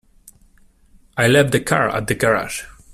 I left the car at the garage.